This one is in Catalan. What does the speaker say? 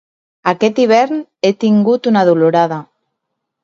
Aquest hivern he tingut una dolorada.